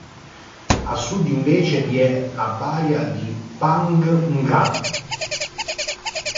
A sud invece vi è la baia di Phang Nga.